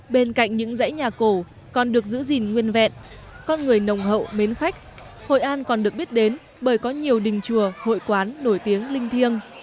bên cạnh những dãy nhà cổ còn được giữ gìn nguyên vẹn con người nồng hậu mến khách hội an còn được biết đến bởi có nhiều đình chùa hội quán nổi tiếng linh thiêng